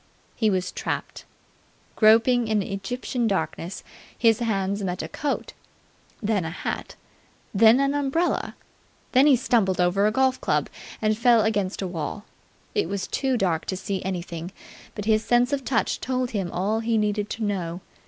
He was trapped. Groping in Egyptian darkness, his hands met a coat, then a hat, then an umbrella. Then he stumbled over a golf club and fell against a wall. It was too dark to see anything, but his sense of touch told him all he needed to know.